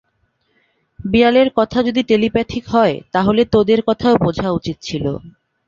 বিড়ালের কথা যদি টেলিপ্যাথিক হয়, তাহলে তাদের কথাও বোঝা উচিত ছিল।